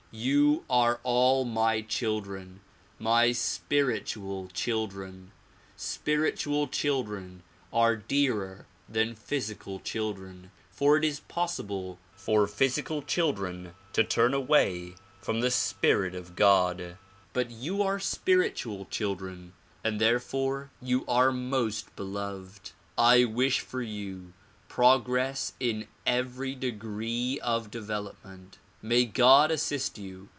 You are all my children, my spiritual children. Spiritual chil dren are dearer than physical children for it is possible for physical children to turn away from the spirit of God, but you are DISCOURSES DELIVERED IN CHICAGO 89 spiritual children and therefore you are most beloved. I wish foi you progress in every degree of development. May God assist you.